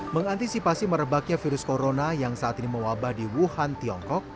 mengantisipasi merebaknya virus corona yang saat ini mewabah di wuhan tiongkok